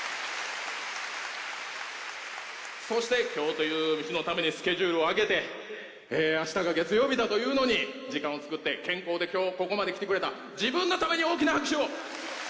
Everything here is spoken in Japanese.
そして今日という日のためにスケジュールをあけて明日が月曜日だというのに時間を作って健康でここまで来てくれた自分のために大きな拍手を！